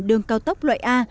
đường cao tốc loại a